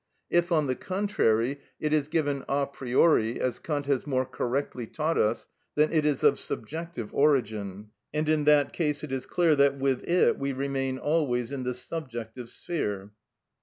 If, on the contrary, it is given a priori, as Kant has more correctly taught us, then it is of subjective origin, and in that case it is clear that with it we remain always in the subjective sphere.